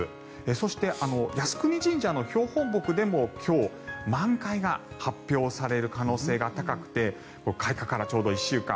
そして、靖国神社の標本木でも今日、満開が発表される可能性が高くて開花からちょうど１週間。